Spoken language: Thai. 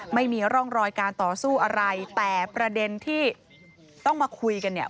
ไม่มีร่องรอยการต่อสู้อะไรแต่ประเด็นที่ต้องมาคุยกันเนี่ย